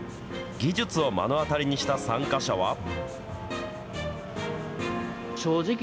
技術を目の当たりにした参加者は？